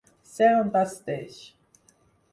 Ser un bastaix.